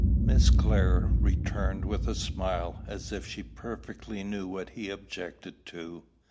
Miss Clare returned with a smile, as if she perfectly knew what he objected to.